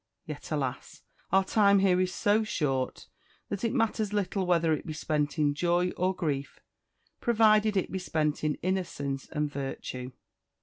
Yet, alas! our time here is so short that it matters little whether it be spent in joy or grief, provided it be spent in innocence and virtue.